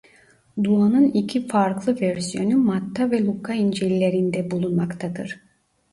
Duanın iki farklı versiyonu Matta ve Luka incillerinde bulunmaktadır.